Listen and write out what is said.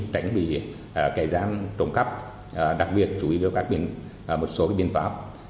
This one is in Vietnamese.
tránh bị kẻ giam trộm khắp đặc biệt chú ý đối với một số biện pháp